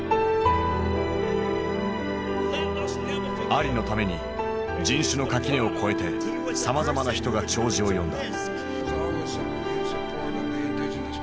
アリのために人種の垣根を越えてさまざまな人が弔辞を読んだ。